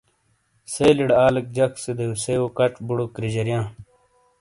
سیلِی ڑے آلیک جک سے دیوسیئو کچ بُوڑو کریجاریئاں۔